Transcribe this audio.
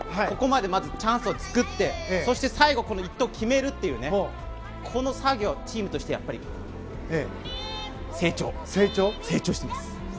ここまでチャンスを作ってそして、最後この１投を決めるというこの作業、チームとして成長しています。